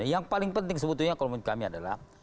yang paling penting sebetulnya kalau menurut kami adalah